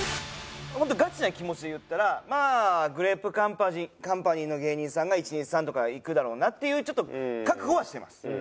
ホントガチな気持ちで言ったらまあグレープカンパニーの芸人さんが１２３とかいくだろうなっていうちょっと覚悟はしてます。